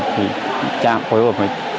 thì trạm khối hợp với